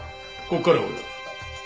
ここからは俺が。